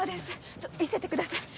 ちょっと見せてください